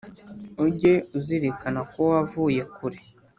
ujye uzirikana ko wavuye kure